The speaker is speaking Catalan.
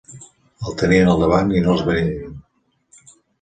Els tenien al davant i no els veien.